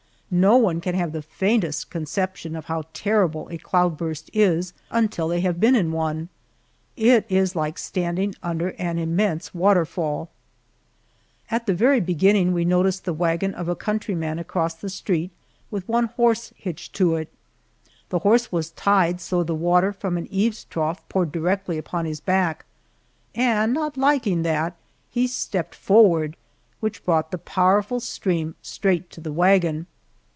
No one can have the faintest conception of how terrible a cloud burst is until they have been in one. It is like standing under an immense waterfall. At the very beginning we noticed the wagon of a countryman across the street with one horse hitched to it. The horse was tied so the water from an eaves trough poured directly upon his back, and not liking that, he stepped forward, which brought the powerful stream straight to the wagon.